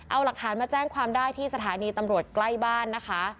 เอาหลักฐานมาแจ้งความได้ที่สถานีตำรวจใกล้บ้านนะคะ